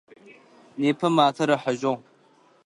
Непэ матэр ыхьыжьыгъ.